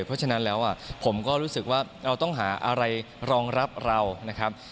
เพราะฉะนั้นแล้วผมก็รู้สึกว่าเราต้องหาอะไรรองรับเรานะครับ